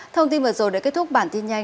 thông tin vừa rồi đã kết thúc bản tin nhanh